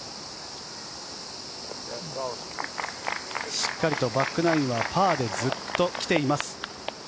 しっかりとバックナインはパーでずっと来ています。